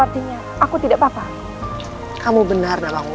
saya tidak akan menang mu